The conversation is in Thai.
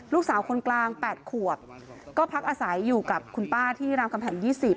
ลูกสาวคนกลาง๘ขวบก็พักอาศัยอยู่กับคุณป้าที่รามคำแหง๒๐